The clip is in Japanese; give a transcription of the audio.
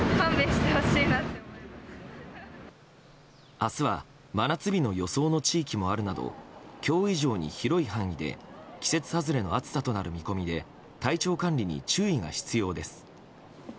明日は真夏日の予想の地域もあるなど今日以上に広い範囲で季節外れの暑さとなる見込みで体調管理に注意が必要です。